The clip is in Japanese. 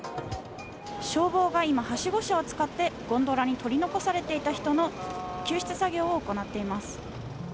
消防が今、はしご車を使ってゴンドラに取り残されていた人の救出作業を行っています。